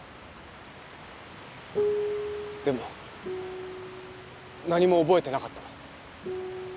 でも何も覚えてなかった。